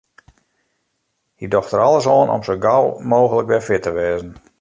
Hy docht der alles oan om sa gau mooglik wer fit te wêzen.